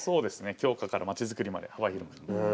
強化から町づくりまで幅広く。